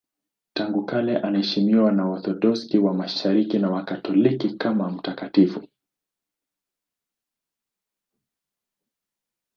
Tangu kale anaheshimiwa na Waorthodoksi wa Mashariki na Wakatoliki kama mtakatifu.